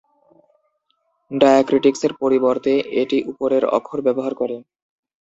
ডায়াক্রিটিক্সের পরিবর্তে এটি উপরের অক্ষর ব্যবহার করে।